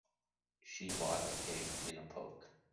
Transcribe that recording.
She bought a pig in a poke.